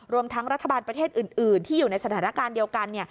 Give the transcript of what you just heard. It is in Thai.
รวมทั้งรัฐบาลประเทศอื่นที่อยู่ในสถานการณ์เดียวกัน